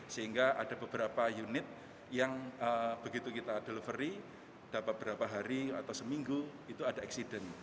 sehingga ada beberapa unit yang begitu kita delivery dapat beberapa hari atau seminggu itu ada accident